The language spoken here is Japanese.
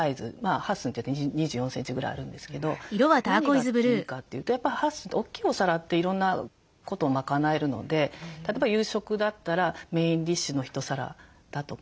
８寸って２４センチぐらいあるんですけど何がいいかというとやっぱ８寸って大きいお皿っていろんなことを賄えるので例えば夕食だったらメインディッシュの１皿だとか。